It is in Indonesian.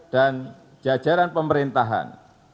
dan jajaran pemerintahan